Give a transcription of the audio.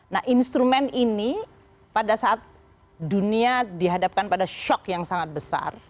nah instrumen ini pada saat dunia dihadapkan pada shock yang sangat besar